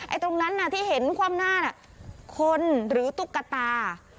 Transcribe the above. ไอ้ตรงนั้นที่เห็นความหน้าคนหรือตุ๊กตา